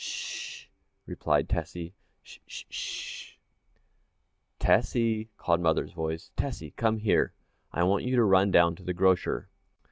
"S s sh!" replied Tessie, "s s sh!" "Tessie!" called mother's voice, "Tessie, come here, I want you to run down to the grocer."